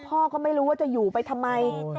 พ่อก็ไม่รู้ว่าจะอยู่ไปทำไม